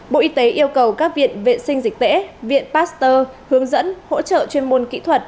bộ y tế yêu cầu các viện vệ sinh dịch tễ viện pasteur hướng dẫn hỗ trợ chuyên môn kỹ thuật